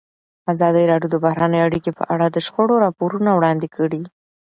ازادي راډیو د بهرنۍ اړیکې په اړه د شخړو راپورونه وړاندې کړي.